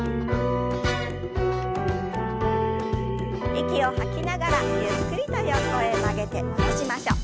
息を吐きながらゆっくりと横へ曲げて戻しましょう。